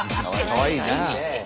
かわいいな！